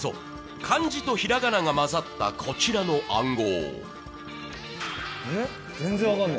漢字とひらがなが混ざったこちらの暗号。